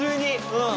うん。